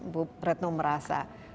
bapak pretno merasa